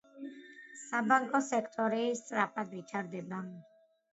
საბანკო სექტორი სწრაფად ვითარდება.